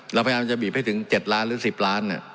เราพยายามจะบีบให้ถึง๗ล้านหรือ๑๐ล้าน